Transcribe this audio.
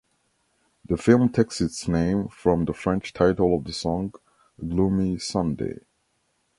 The film takes its name from the French title of the song "Gloomy Sunday".